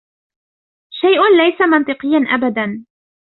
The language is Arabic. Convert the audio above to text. شيء ليس منطقيا أبدا.